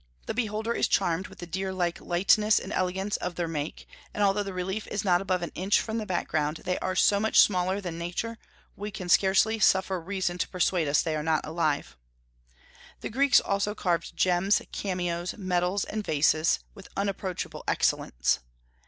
The beholder is charmed with the deer like lightness and elegance of their make; and although the relief is not above an inch from the background, and they are so much smaller than nature, we can scarcely suffer reason to persuade us they are not alive." The Greeks also carved gems, cameos, medals, and vases, with unapproachable excellence.